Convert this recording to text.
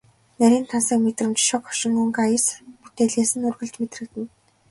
Нарийн тансаг мэдрэмж, шог хошин өнгө аяс бүтээлээс нь үргэлж мэдрэгдэнэ.